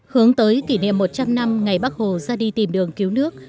hướng tới kỷ niệm một trăm linh năm ngày bắc hồ ra đi tìm đường cứu nước